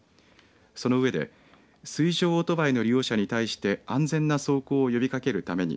その上で水上オートバイの利用者に対して安全な走行を呼びかけるために